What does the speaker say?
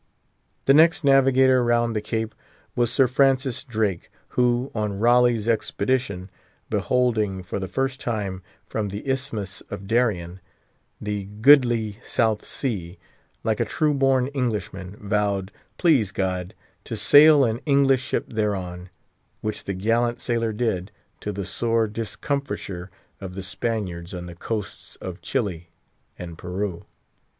The next navigator round the Cape was Sir Francis Drake, who, on Raleigh's Expedition, beholding for the first time, from the Isthmus of Darien, the "goodlie South Sea," like a true born Englishman, vowed, please God, to sail an English ship thereon; which the gallant sailor did, to the sore discomfiture of the Spaniards on the coasts of Chili and Peru.